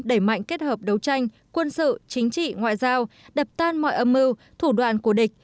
đẩy mạnh kết hợp đấu tranh quân sự chính trị ngoại giao đập tan mọi âm mưu thủ đoàn của địch